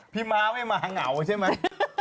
พี่มากไม่ไหวหาง่าวใช่มั้ย